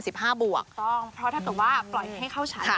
ถูกต้องเพราะถ้าแต่ว่าปล่อยให้เข้าฉาย